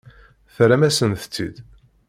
Terram-asent-tt-id.